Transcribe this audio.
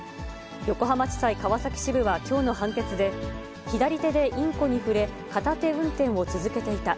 横浜地裁川崎支部はきょうの判決で、左手でインコに触れ、片手運転を続けていた。